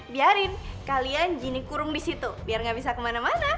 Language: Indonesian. biarin kalian jini kurung disitu biar gak bisa kemana mana